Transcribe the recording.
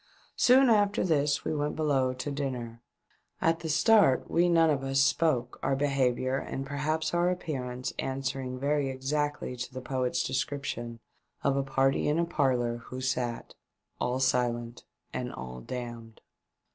Soon after this we went below to dinner. At the start we none of us spoke, our behaviour and perhaps our appearance answering very exactly to the poet's description of a party in a parlour who sat — "All silent and all damned!"